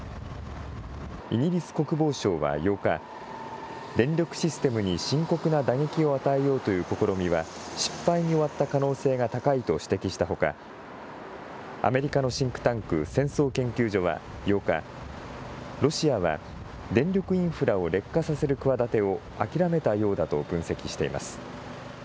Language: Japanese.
イギリス国防省は８日、電力システムに深刻な打撃を与えようという試みは失敗に終わった可能性が高いと指摘したほか、アメリカのシンクタンク、戦争研究所は、８日、ロシアは電力インフラを劣化させる企てを諦めたようだと分析しています。